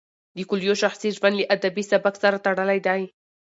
د کویلیو شخصي ژوند له ادبي سبک سره تړلی دی.